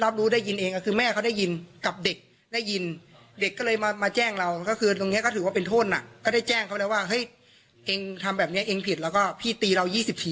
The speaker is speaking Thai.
อฟังเสียงครูนัทเจ้าของโรงเรียนค่ะ